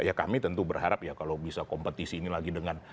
ya kami tentu berharap ya kalau bisa kompetisi ini lagi dengan